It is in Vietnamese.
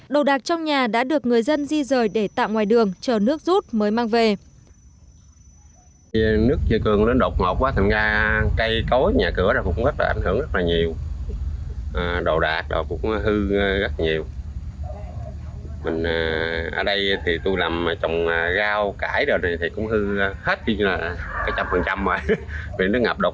đồ đạc trong nhà đã được người dân di rời để tạm ngoài đường chờ nước rút mới mang về